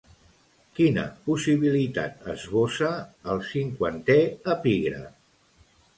Quina possibilitat esbossa el cinquantè epígraf?